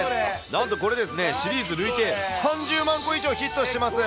なんとこれですね、シリーズ累計３０万個以上ヒットしてます。